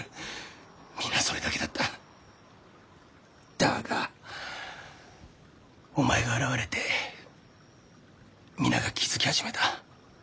だがお前が現れて皆が気付き始めた。